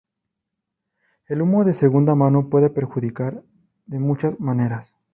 El humo de segunda mano puede perjudicar de muchas maneras.